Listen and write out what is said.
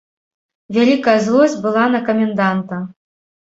Вялікая злосць была на каменданта.